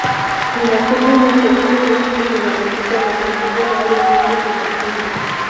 En aquel momento una lesión en la rodilla lo mantuvo varios meses inactivo.